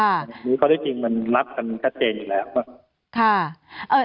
อันนี้ข้อที่จริงมันรับกันชัดเจนอยู่แล้วป่ะ